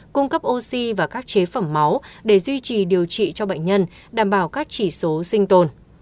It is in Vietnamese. cung cấp oxy và các chế phẩm máu để duy trì điều trị cho bệnh nhân đảm bảo các chỉ số sinh tồn